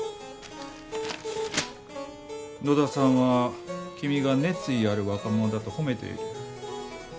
野田さんは君が熱意ある若者だと褒めている。